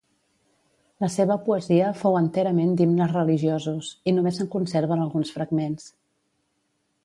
La seva poesia fou enterament d'himnes religiosos, i només se'n conserven alguns fragments.